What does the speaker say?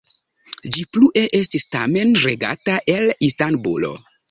Ĝi plue estis tamen regata el Istanbulo.